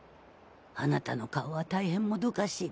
あなたの顔は大変もどかしいという顔。